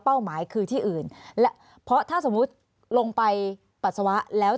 หมายคือที่อื่นและเพราะถ้าสมมุติลงไปปัสสาวะแล้ว